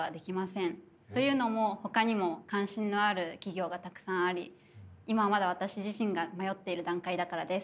というのもほかにも関心のある企業がたくさんあり今まだ私自身が迷っている段階だからです。